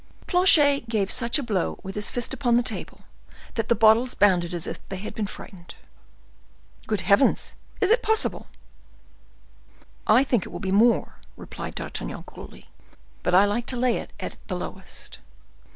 Planchet gave such a blow with his fist upon the table, that the bottles bounded as if they had been frightened. "Good heavens! is that possible?" "I think it will be more," replied D'Artagnan coolly; "but I like to lay it at the lowest!"